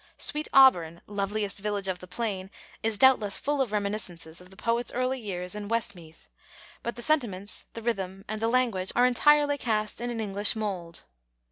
"Sweet Auburn! loveliest village of the plain" is doubtless full of reminiscences of the poet's early years in Westmeath, but the sentiments, the rhythm, and the language are entirely cast in an English mould.